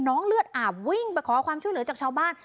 เลือดอาบวิ่งไปขอความช่วยเหลือจากชาวบ้าน